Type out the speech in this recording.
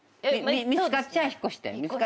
見つかっちゃあ引っ越して。